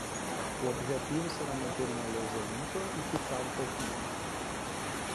O objetivo será manter uma lousa limpa e ficar um pouco menos.